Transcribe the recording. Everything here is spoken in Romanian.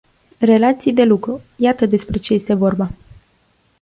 Relații de lucru, iată despre ce este vorba.